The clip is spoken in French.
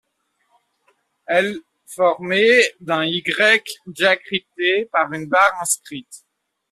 Elle formée d’un Y diacrité par une barre inscrite.